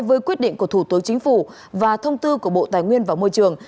với quyết định của thủ tướng chính phủ và thông tư của bộ tài nguyên và môi trường